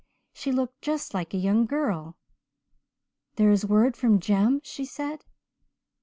She looked just like a young girl. "'There is word from Jem?' she said.